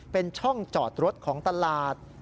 เป็นช่องจอดรถของตลาด